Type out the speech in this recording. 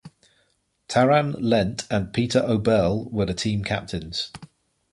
Taran Lent and Peter Oberle were the team captains.